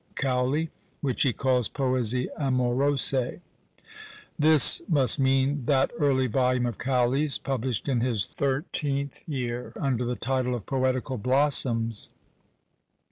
Cowley," which he calls "poesie amorose:" this must mean that early volume of Cowley's, published in his thirteenth year, under the title of "Poetical Blossoms."